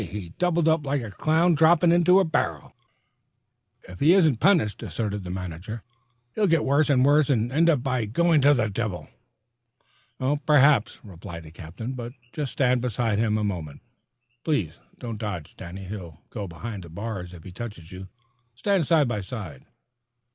he doubled up like a clown droppin' into a barrel." "If he isn't punished," asserted the glowering manager, "he'll get worse and worse and end by going to the devil." "Perhaps," replied the captain. "But just stand beside him a moment, please. Don't dodge, Danny. He'll go behind the bars if he touches you. Stand side by side."